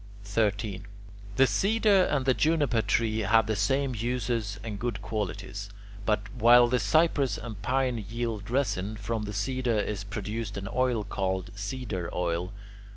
13. The cedar and the juniper tree have the same uses and good qualities, but, while the cypress and pine yield resin, from the cedar is produced an oil called cedar oil.